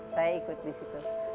saya ikut di situ